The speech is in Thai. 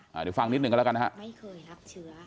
เดี๋ยวฟังนิดหนึ่งกันแล้วกันครับ